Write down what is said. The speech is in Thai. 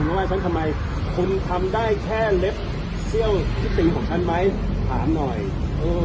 ว่าฉันทำไมคุณทำได้แค่เล็บเชี่ยวพิษีของฉันไหมถามหน่อยเออ